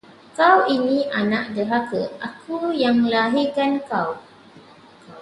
Kau ni anak derhaka, aku yang lahirkan kau.